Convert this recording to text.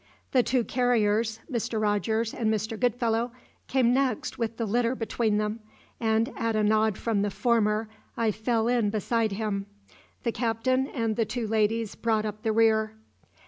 The two carriers, Mr. Rogers and Mr. Goodfellow, came next with the litter between them, and at a nod from the former I fell in beside him. The Captain and the two ladies brought up the rear.